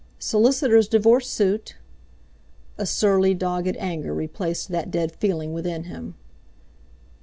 "Solicitor's divorce suit!" A surly, dogged anger replaced that dead feeling within him.